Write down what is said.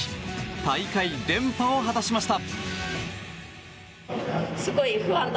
大会連覇を果たしました。